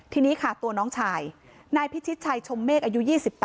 ทีนี้ค่ะตัวน้องชายนายพิชิตชัยชมเมฆอายุ๒๘